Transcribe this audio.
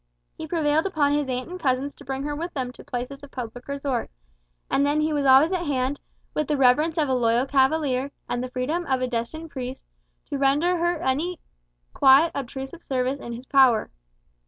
He prevailed upon his aunt and cousins to bring her with them to places of public resort; and then he was always at hand, with the reverence of a loyal cavalier, and the freedom of a destined priest, to render her every quiet unobtrusive service in his power.